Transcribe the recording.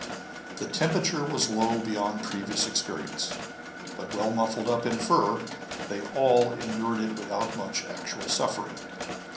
The temperature was low beyond previous experience; but well muffled up in fur, they all endured it without much actual suffering.